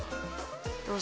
どうぞ。